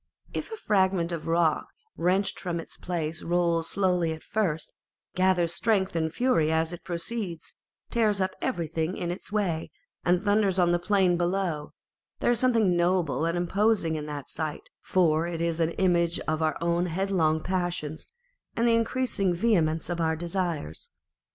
If a fragment of a rock wrenched from its place rolls slowly at first, gathers strength and fury as it proceeds, tears up everything in its way, and thunders on the plain below, there is something noble and imposing in the sight, for it is an image of our own headlong passions and the increasing vehemence of our desires.